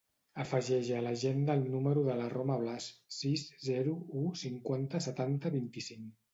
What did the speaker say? Afegeix a l'agenda el número de la Roma Blas: sis, zero, u, cinquanta, setanta, vint-i-cinc.